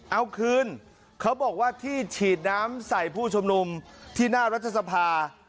เอาคืนเขาบอกว่าที่ฉีดน้ำใส่ผู้ชมนุมที่หน้ารัฐสภา